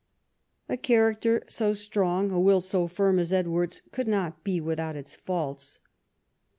A character so strong, a will so firm as Edward's could not be without its faults.